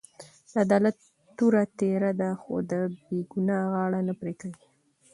د عدالت توره ډېره تېره ده؛ خو د بې ګناه غاړه نه پرې کوي.